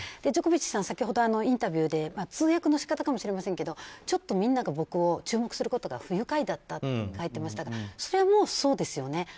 ジョコビッチさん、先ほどインタビューで通訳の仕方かもしれませんがちょっとみんなが僕を注目することが不愉快だったと書いていましたがそれもそうですよね。